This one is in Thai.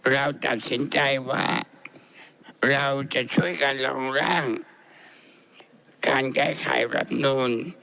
เราตัดสินใจว่าเราจะช่วยกันลองร่างการแก้ไขรัฐนูล